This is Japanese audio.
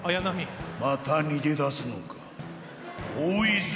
また逃げ出すのか大泉。